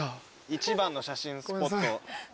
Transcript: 一番の写真スポット。